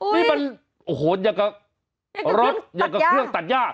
นี่มันอะโหอย่างกับเครื่องตัดยาก